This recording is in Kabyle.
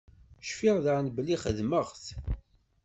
Cfiɣ daɣen belli xedmeɣ-t.